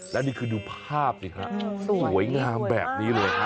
และนี่คือดูภาพสิฮะสวยงามแบบนี้เลยฮะ